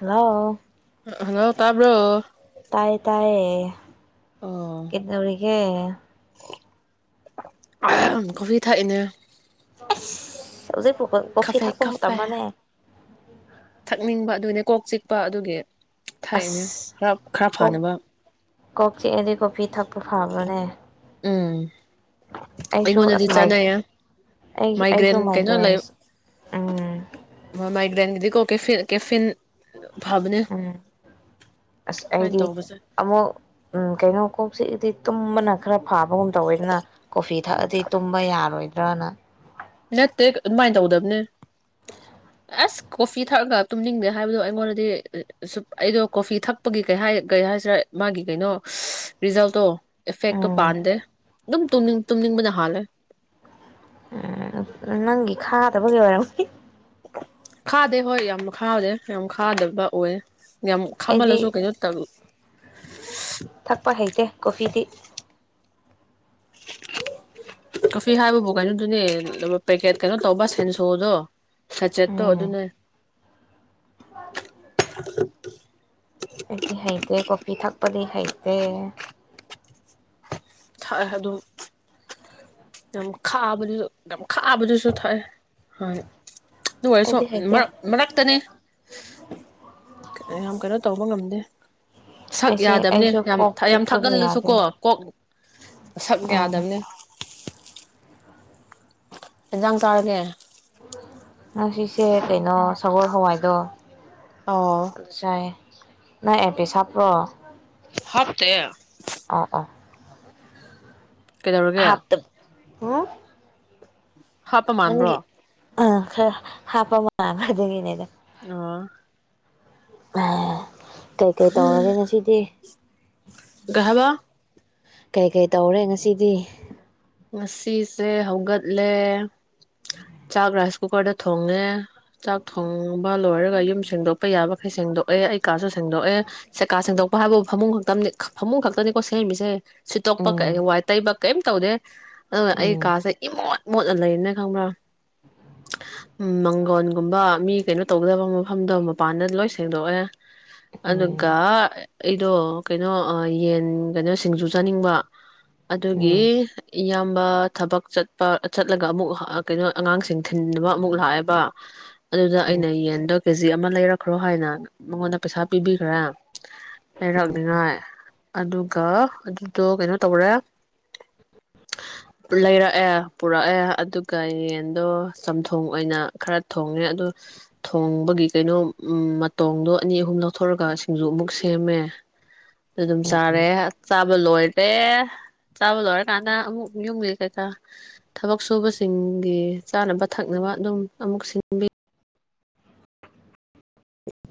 hello hello ꯇꯥꯕ꯭ꯔꯣ ꯇꯌꯦ ꯇꯌꯦ ꯑꯣ ꯀꯅꯕꯔꯤꯒꯦ ꯀꯐ ꯊ ꯏꯅꯦ [inaudible] ꯖꯤ ꯀꯣꯐꯤ ꯀꯥꯐꯦ ꯊꯛꯣ ꯀꯥꯐꯦ ꯇꯥꯃꯅꯦ ꯊꯛꯅꯤꯡꯕ ꯑꯗꯨꯒꯤꯅꯦ ꯀꯣꯛ ꯆꯤꯛꯄ ꯑꯗꯨꯒꯤ ꯊꯥꯏꯑꯅꯦ ꯈꯔ ꯈꯔ ꯐꯥꯅꯕ ꯀꯣꯛꯆꯤ ꯑꯦꯗꯤ ꯀꯣꯐꯤ ꯊꯛ ꯐꯕꯅꯦ ꯎꯝ ꯑꯩꯁꯨ ꯑꯩꯉꯣꯟꯗꯗꯤ ꯑꯁ ꯆꯥꯅꯩꯌꯦ ꯑꯩ ꯑꯩꯁꯨ ꯃꯥꯏꯒ꯭ꯔꯦꯟ ꯀꯩꯅꯣ ꯂꯩ ꯃꯥꯏꯒ꯭ꯔꯦꯟꯁ ꯎꯝ ꯑꯗꯨꯗꯤꯀꯣ ꯀꯦꯐꯤꯟ ꯀꯦꯐꯤꯟ ꯐꯕꯅꯦ ꯎꯝ ꯑꯁ ꯑꯗꯨꯃꯥꯏꯅ ꯑꯩꯗꯤ ꯇꯧꯕꯁꯦ ꯑꯃꯨꯛ ꯎꯝ ꯀꯩꯅꯣ ꯀꯣꯛꯁꯤꯗꯤ ꯇꯨꯝꯕꯅ ꯈꯔ ꯐꯥꯕꯒꯨꯝ ꯇꯧꯋꯦꯗꯅ ꯀꯣꯐꯤ ꯊꯛꯑꯗꯤ ꯇꯨꯝꯕ ꯌꯥꯔꯣꯏꯗ꯭ꯔꯅ ꯅꯠꯇꯦ ꯑꯗꯨꯃꯥꯏꯅ ꯇꯧꯗꯕꯅꯦ ꯑꯁ ꯀꯣꯐꯤ ꯊꯛꯑꯒ ꯇꯨꯝꯅꯤꯡꯗꯦ ꯍꯥꯏꯕꯗꯣ ꯑꯩꯉꯣꯟꯗꯗꯤ ꯁ ꯑꯩꯗꯣ ꯀꯣꯐꯤ ꯊꯛꯄꯒꯤ ꯀꯩꯩ ꯍꯥꯏꯁꯤꯔꯥ ꯃꯥꯒꯤ ꯀꯩꯅꯣ ꯔꯤꯖꯜꯇꯣ ꯏꯐꯦꯛꯛꯇ ꯎꯝ ꯄꯥꯗꯦ ꯑꯗꯨꯝ ꯇ ꯇꯨꯝ ꯂꯕꯅ ꯍꯥꯜ ꯅꯪꯒꯤ ꯈꯥꯗꯕꯒꯤ ꯑꯣꯏꯔꯝ ꯈꯥꯗ ꯍꯌꯦ ꯌꯥꯝ ꯈꯥꯎꯔꯦ ꯌꯥꯝ ꯈꯥꯗꯕ ꯑꯣꯏꯦ ꯌꯥꯝ ꯑꯩꯗꯤ ꯈꯥꯝꯃꯜꯂꯁꯨ ꯀꯩꯅꯣ ꯇꯧ ꯊꯛꯄ ꯍꯩꯇꯦ ꯀꯣꯐꯤꯗꯤ ꯇꯣꯐꯤ ꯍꯥꯏꯕ ꯀꯥꯏꯅ ꯑꯗꯨꯅꯦ ꯄꯦꯀꯦꯠ ꯀꯩꯅꯣ ꯇꯧꯕ ꯁꯦꯟ ꯁꯣꯛꯗꯣ ꯁꯆꯦꯠꯇꯣ ꯎꯝ ꯑꯗꯨꯅꯦ ꯑꯩꯗꯤ ꯍꯩꯇ‌ꯦ ꯀꯣꯐꯤ ꯊꯛꯄꯗꯤ ꯍꯩꯇꯦ ꯊꯥꯏꯦ ꯑꯗꯨ ꯌꯥꯝ ꯈꯥꯕꯗꯨꯁꯨ ꯌꯥꯝ ꯈꯥꯕꯗꯨꯁꯨ ꯊꯥꯏꯑꯦ ꯍ ꯑꯗꯨ ꯑꯣꯏꯔꯁꯨ ꯑꯩꯗꯤ ꯍꯩꯇꯦ ꯃꯔꯛ ꯃꯔꯛꯇꯅꯤ ꯌꯥꯝ ꯀꯩꯅꯣ ꯇꯧꯕ ꯉꯝꯗꯦ ꯁꯛ ꯑꯩꯁꯦ ꯌꯥꯗꯕꯅꯦ ꯑꯩꯁꯨ ꯌꯥꯝ ꯀꯣꯛ ꯌꯥꯝ ꯆꯤꯛꯄꯒꯤ ꯊꯥꯛꯒꯜꯂꯁꯨ ꯌꯥꯗ꯭ꯔꯦ ꯀꯣ ꯀꯣꯛ ꯁꯛ ꯑꯥ ꯌꯥꯗꯝꯅ‌ꯦ ꯌꯦꯟꯖꯥꯡ ꯆꯥꯔꯒꯦ ꯎ ꯉꯁꯤꯁꯦ ꯀꯩꯅꯣ ꯁꯒꯣꯜ ꯍꯋꯥꯏꯗꯣ ꯑꯣ ꯉꯁꯥꯏ ꯅꯪ ꯏꯌꯥꯔꯄꯤꯁ ꯍꯥꯞꯄ꯭ꯔꯣ ꯍꯥꯐꯇꯦ ꯑꯣ ꯀꯩꯗꯧꯔꯒꯦ ꯍ‌ꯣ ꯎꯝ ꯍꯥꯞꯄ ꯃꯥꯟꯕ꯭ꯔꯣ ꯑ ꯈꯔ ꯍꯥꯞꯄ ꯃꯥꯃꯦ ꯑꯗꯨꯒꯤꯅꯤꯗ ꯑ ꯑ ꯀꯩꯀꯩ ꯇꯧꯔꯒꯦ ꯉꯁꯤꯗꯤ ꯀꯥꯍꯕ ꯀꯩ ꯀꯩ ꯇꯧꯔꯦ ꯉꯁꯤꯗꯤ ꯉꯁꯤꯁꯦ ꯍꯧꯒꯠꯂꯦ ꯆꯥꯛ ꯔꯥꯏꯁ ꯀꯨꯀꯔꯗ ꯊꯣꯡꯉꯦ ꯆꯥꯛ ꯊꯣꯡꯕ ꯂꯣꯏꯔꯒ ꯌꯨꯝ ꯁꯦꯡꯗꯣꯛꯄ ꯌꯥꯕꯈꯩ ꯁꯦꯡꯗꯣꯛꯑꯦ ꯑꯩ ꯀꯥꯁꯨ ꯁꯦꯡꯗꯣꯛꯑꯦ ꯁꯦꯀꯥ ꯁꯦꯡꯗꯣꯛꯄ ꯍꯥꯏꯕꯕꯨ ꯐꯃꯨꯡ ꯈꯛꯇꯅꯤ ꯐꯃꯨꯡ ꯈꯛꯇꯅꯤꯀꯣ ꯁꯦꯝꯃꯤꯁꯦ ꯁꯤꯠꯇꯣꯛꯄ ꯀꯛꯑꯦ ꯎꯝ ꯋꯥꯏ ꯇꯩꯕ ꯀꯩꯝ ꯇꯧꯗꯦ [inaudible] ꯑ ꯑꯩ ꯎꯝ ꯀꯥꯁꯦ ꯏꯃꯣ ꯃꯣꯠꯂ ꯂꯩꯌꯦꯅ ꯈꯪꯕ꯭ꯔꯥ ꯃꯪꯒꯣꯟꯒꯨꯝꯕ ꯃꯤ ꯀꯩꯅꯣ ꯇꯧꯒꯗꯕ ꯃꯐꯝꯗꯣ ꯃꯄꯥꯟꯗ ꯂꯣꯏ ꯁꯦꯡꯗꯣꯛꯑꯦ ꯑꯗꯨ ꯎꯝ ꯒ ꯑꯩꯗꯣ ꯀꯩꯅꯣ ꯌꯦꯟ ꯀꯩꯅꯣ ꯁꯤꯡꯖꯨ ꯆꯥꯅꯤꯡꯕ ꯑꯗꯨꯒꯤ ꯎꯝ ꯏꯌꯥꯝꯕ ꯊꯕꯛ ꯆꯠꯄ ꯆꯠꯂꯒ ꯑꯃꯨꯛ ꯀꯩꯅꯣ ꯑꯉꯥꯡꯁꯤꯡ ꯊꯤꯟꯅꯕ ꯑꯃꯨꯛ ꯂꯥꯛꯑꯦꯕ ꯑꯗꯨꯗ ꯎꯝ ꯑꯩꯅ ꯌꯦꯟꯗꯣ ꯀꯦꯖꯤ ꯑꯃ ꯂꯩꯔꯛꯈ꯭ꯔꯣ ꯍꯥꯏꯅ ꯃꯉꯣꯟꯗ ꯄꯩꯁꯥ ꯄꯤꯕꯤꯈ꯭ꯔꯥ ꯂꯩꯔꯛꯅꯤꯉꯥꯏ ꯑꯗꯨꯒ ꯑꯗꯨꯗꯣ ꯀꯩꯅꯣ ꯇꯧꯔꯦ ꯂꯩꯔꯛꯑꯦ ꯄꯨꯔꯛꯑꯦ ꯑꯗꯨꯒ ꯌꯦꯟꯗꯣ ꯆꯝꯊꯣꯡ ꯑꯣꯏꯅ ꯈꯔ ꯊꯣꯡꯉꯦ ꯑꯗ ꯊꯣꯡꯕꯒꯤ ꯀꯩꯅꯣ ꯃꯇꯣꯡꯗꯣ ꯑꯅꯤ ꯑꯍꯨꯝ ꯂꯧꯊꯣꯛꯣꯔꯒ ꯁꯤꯡꯖꯨ ꯑꯃꯨꯛ ꯁꯦꯝꯃꯦ ꯑꯗꯨ ꯑꯗꯨꯝ ꯎꯝ ꯆꯥꯔꯦ ꯆꯥꯕ ꯂꯣꯏ ꯗ ꯆꯥꯥꯎ ꯂꯔ ꯀꯥꯥꯟ ꯑ ꯑꯃꯨꯛ ꯌꯨꯝꯒꯤ ꯀꯩꯀꯥ ꯊꯕꯛ ꯁꯨꯕꯁꯤꯡꯒꯤ ꯆꯥꯅꯕ ꯊꯛꯅꯕ ꯑꯗꯨꯝ ꯑꯃꯨꯛ ꯁꯤꯟꯕꯤ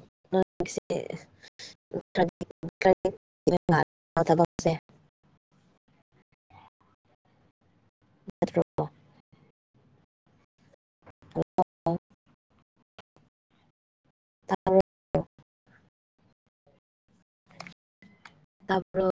[unintelligible] [unintelligible] ꯑ ꯇꯥꯕ꯭ꯔꯣ ꯇ꯭ꯔꯣ